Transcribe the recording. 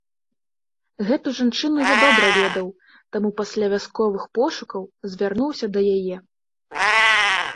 Гэту жанчыну я добра ведаў, таму пасля вясковых пошукаў звярнуўся да яе.